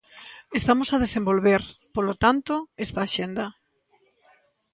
Estamos a desenvolver, polo tanto, esta axenda.